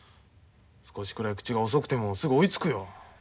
少しくらい口が遅くてもすぐ追いつくよ。